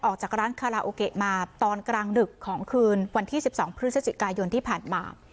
ออกจากร้านคาราโอเกะมาตอนกลางดึกของคืนวันที่๑๒พฤศจิกายนที่ผ่านมา